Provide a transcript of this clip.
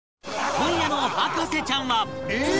今夜の『博士ちゃん』は